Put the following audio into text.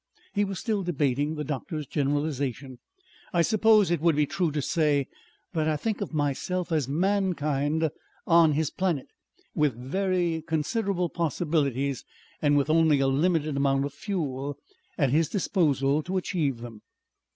He was still debating the doctor's generalization. "I suppose it would be true to say that I think of myself as mankind on his planet, with very considerable possibilities and with only a limited amount of fuel at his disposal to achieve them.